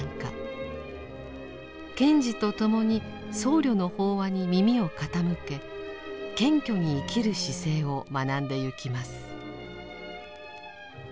賢治と共に僧侶の法話に耳を傾け謙虚に生きる姿勢を学んでゆきます。